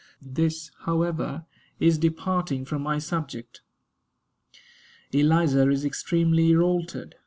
This, however, is departing from my subject. Eliza is extremely altered.